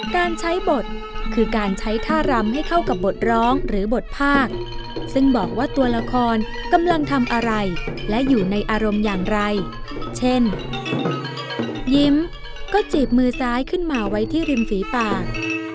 การใช้บทคือการใช้ท่ารำให้เข้ากับบทร้องหรือบทภาคซึ่งบอกว่าตัวละครกำลังทำอะไรและอยู่ในอารมณ์อย่างไรเช่นยิ้มก็จีบมือซ้ายขึ้นมาไว้ที่ริมฝีปาก